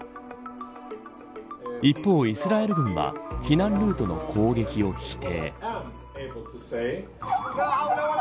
一方、イスラエル軍は避難ルートの攻撃を否定。